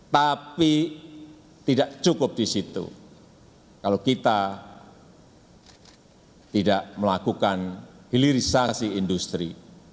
tapi tidak cukup di situ kalau kita tidak melakukan hilirisasi industri